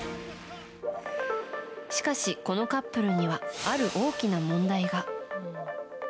しかし、このカップルにはある大きな問題が。